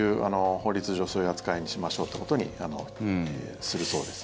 法律上そういう扱いにしましょうということにするそうです。